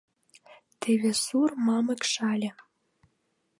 Теве сур мамык шале...